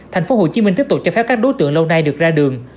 tp hcm tiếp tục cho phép các đối tượng lâu nay được ra đường